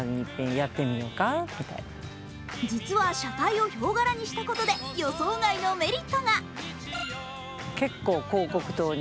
実は車体をヒョウ柄にしたことで予想外のメリットが。